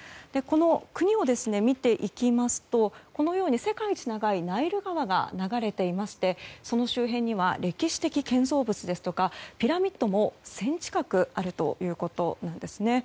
国を見ていきますとこのように、世界一長いナイル川が流れていましてその周辺には歴史的建造物やピラミッドも１０００近くあるということなんですね。